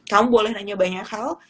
kamu boleh nanya banyak hal